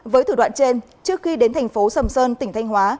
với thủ đoạn trên trước khi đến thành phố sầm sơn tỉnh thanh hóa